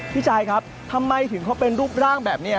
พี่ชายครับทำไมถึงเขาเป็นรูปร่างแบบนี้